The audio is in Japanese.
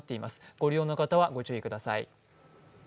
ご利用の方はご注意ください。